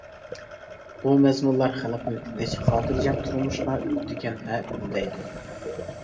بۇ مەزمۇنلار خەلقنى تىنچ، خاتىرجەم تۇرمۇشقا ئۈندىگەن ھە ئۈندەيدۇ.